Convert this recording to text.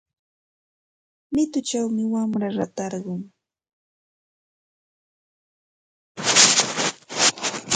Mituchawmi wamra ratarqun.